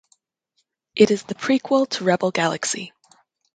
It is the prequel to "Rebel Galaxy".